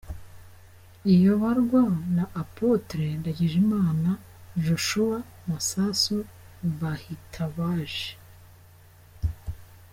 iyoborwa na Apôtre Ndagijimana Joshua Masasu. Bahitabaje